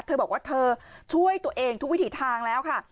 เธอบอกว่าเธอช่วยตัวเองทุกวิถีทางแล้วค่ะ